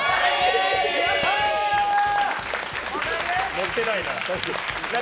乗ってないな。